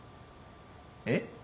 えっ？